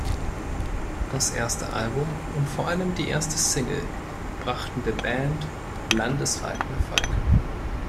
Das erste Album und vor allem die erste Single brachten der Band landesweiten Erfolg.